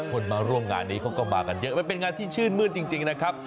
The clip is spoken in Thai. คนมาร่วมงานนี้เขาก็มากันเยอะมันเป็นงานที่ชื่นมืดจริงนะครับ